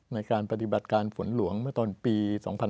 ในการปฏิบัติการฝนหลวงตอนปี๒๕๔๒